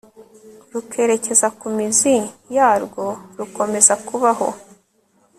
rukerekeza ku mizi yarwo rukomeza kubaho